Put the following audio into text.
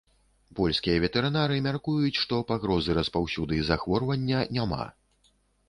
Польскія ветэрынары мяркуюць, што пагрозы распаўсюды захворвання няма.